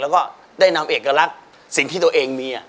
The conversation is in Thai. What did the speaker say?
แล้วก็ได้นำเอกลักษณ์สิ่งที่ตัวเองมี